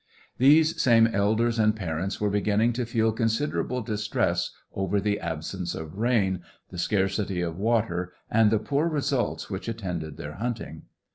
These same elders and parents were beginning to feel considerable distress over the absence of rain, the scarcity of water, and the poor results which attended their hunting.